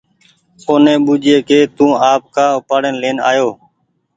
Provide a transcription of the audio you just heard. اوني ٻوجهيي ڪي تو آپ ڪآ اُپآڙين لين آيو